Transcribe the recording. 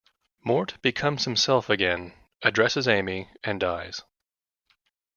Mort becomes himself again, addresses Amy, and dies.